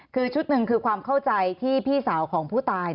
คือชุดหนึ่งคือความเข้าใจที่พี่สาวของผู้ตาย